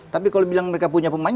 tapi kalau bilang mereka punya pemain